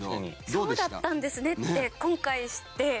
そうだったんですねって今回知って。